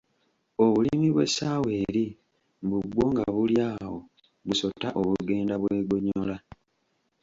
Obulimi bw’essaawa eri mbu bwo nga buli awo busota obugenda bwegonyola!